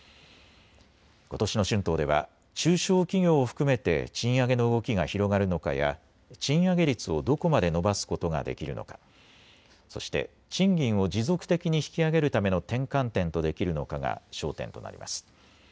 ことしの春闘では中小企業を含めて賃上げの動きが広がるのかや賃上げ率をどこまで伸ばすことができるのか、そして賃金を持続的に引き上げるための転換点とできるのかが焦点となります。